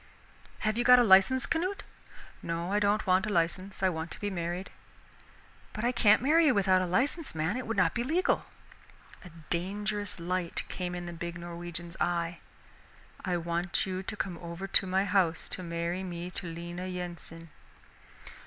"Have you got a license, Canute?" "No, I don't want a license. I want to be married." "But I can't marry you without a license, man, it would not be legal." A dangerous light came in the big Norwegian's eye. "I want you to come over to my house to marry me to Lena Yensen."